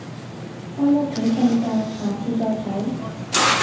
返屋企瞓覺，下次再睇